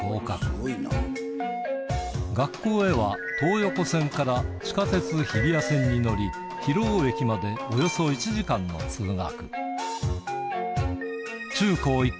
そして学校へは東横線から地下鉄日比谷線に乗り広尾駅までおよそ１時間の通学